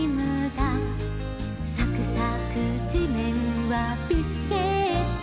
「さくさくじめんはビスケット」